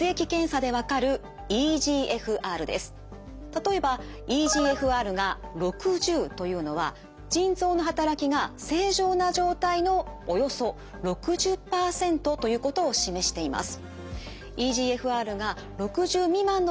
例えばｅＧＦＲが６０というのは腎臓の働きが正常な状態のおよそ６０％ということを示しています。